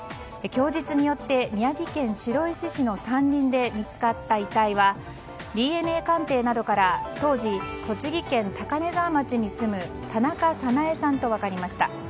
供述によって宮城県白石市の山林で見つかった遺体はＤＮＡ鑑定などから当時、栃木県高根沢町に住む田中早苗さんと分かりました。